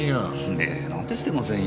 命令なんてしてませんよ。